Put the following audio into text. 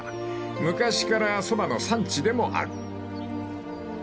［昔からそばの産地でもある］